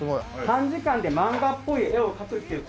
短時間で漫画っぽい絵を描くっていうコツを。